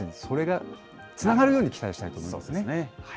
それがつながるように期待したいと思いますね。